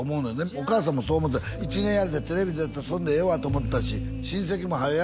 お母さんもそう思って１年やってテレビ出れたらそれでええわと思ってたし親戚も早よ